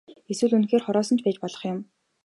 Эсвэл үнэхээр хороосон ч байж болох юм.